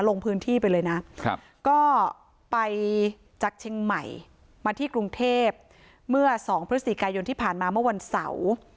ลงพื้นที่ไปเลยนะก็ไปจากเชียงใหม่มาที่กรุงเทพเมื่อ๒พฤศจิกายนที่ผ่านมาเมื่อวันเสาร์